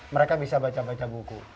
mereka bisa baca baca buku